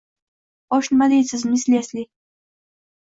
Xo`sh, nima deysiz, miss Lesli